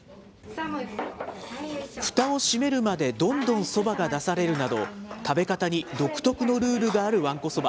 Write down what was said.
ふたを閉めるまでどんどんそばが出されるなど、食べ方に独特のルールがあるわんこそば。